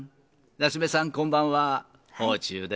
芳忠さん、こんばんは。